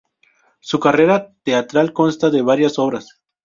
Su carrera teatral consta de varias obras.